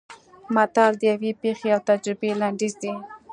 متل د یوې پېښې او تجربې لنډیز دی